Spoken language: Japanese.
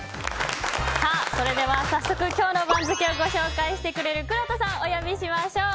それでは早速今日の番付を紹介してくれるくろうとさんをお呼びしましょう。